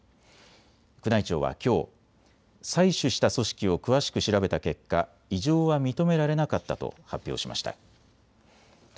宮内庁はきょう、採取した組織を詳しく調べた結果、異常は認められなかったと発表しました。